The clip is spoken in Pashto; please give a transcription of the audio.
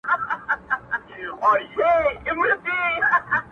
• د سيند پر غاړه ـ سندريزه اروا وچړپېدل ـ